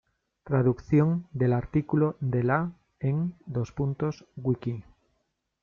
Traducción del artículo de la en:Wiki